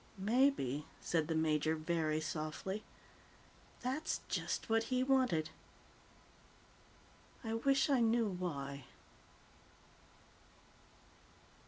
"Maybe," said the major very softly, "that's just what he wanted. I wish I knew why."